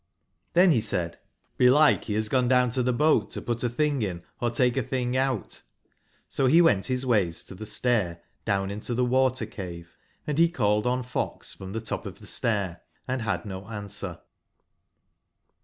XLbcn be said, Belike be bas gone down ^ to the boat to put a tbingin, or take a tbingout/'So be went bie ways to tbe stair down into tbe water/ cave, and be called on fox from tbe top of tbe stair, and bad no answer.